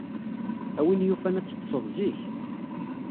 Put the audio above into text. A win yufan, ad teḍḍsed zik.